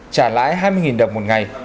trả lãi hai mươi đồng một ngày